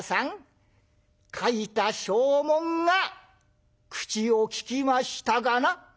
書いた証文が口を利きましたかな？」。